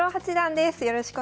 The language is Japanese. よろしくお願いします。